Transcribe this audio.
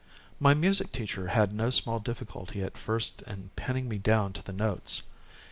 My music teacher had no small difficulty at first in pinning me down to the notes.